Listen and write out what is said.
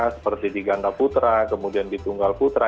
seperti di ganda putra kemudian di tunggal putra